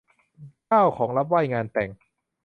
เก้า ของรับไหว้งานแต่ง